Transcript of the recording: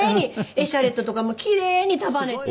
エシャレットとかもキレイに束ねて。